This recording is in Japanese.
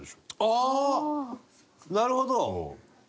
ああーなるほど！